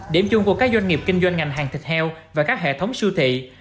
điểm chung của các doanh nghiệp kinh doanh ngành hàng thịt heo và các hệ thống siêu thị